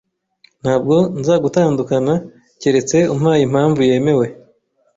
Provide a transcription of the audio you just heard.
Ntabwo nzagutandukana keretse umpaye impamvu yemewe.